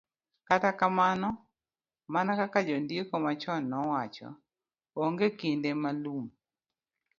Kata kamano, mana kaka jondiko machon nowacho, onge kinde ma lum